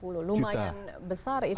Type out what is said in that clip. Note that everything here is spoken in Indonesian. lumayan besar itu